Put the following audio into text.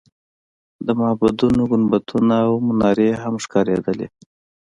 د معبدونو ګنبدونه او منارې هم ښکارېدلې.